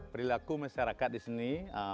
perilaku masyarakat di sini